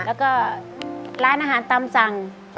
แล้วก็ร้านอาหารตามสั่ง